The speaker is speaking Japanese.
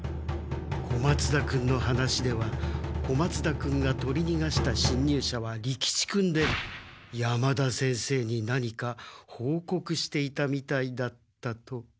小松田君の話では小松田君が取りにがした侵入者は利吉君で山田先生に何かほうこくしていたみたいだったと。